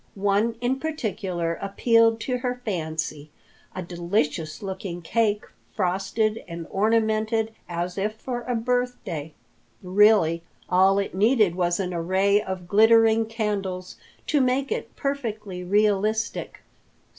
One in particular appealed to her fancy, a delicious looking cake, frosted and ornamented as if for a birthday. Really all it needed was an array of glittering candles to make it perfectly realistic.